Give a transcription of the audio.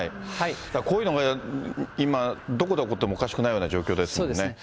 こういうのが今、どこで起こってもおかしくないような状況ですね。